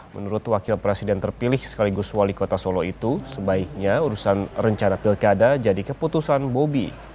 menurut wakil presiden terpilih sekaligus wali kota solo itu sebaiknya urusan rencana pilkada jadi keputusan bobi